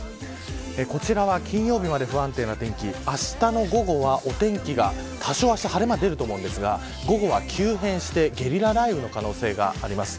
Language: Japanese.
こちらは金曜日まで不安定な天気あしたの午後は多少晴れ間が出ますが午後は急変してゲリラ雷雨の可能性があります。